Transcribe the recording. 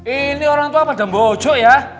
ini orang tua pada bojo ya